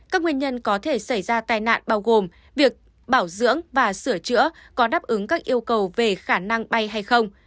các nguyên nhân có thể xảy ra tai nạn bao gồm việc bảo dưỡng và sửa chữa có đáp ứng các yêu cầu về khả năng bay hay không